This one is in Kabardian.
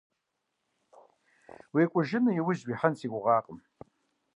УекӀужыну яужь уихьэн си гугъэкъым.